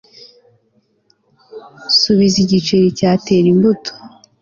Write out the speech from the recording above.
Subiza igiceri cye atera imbuto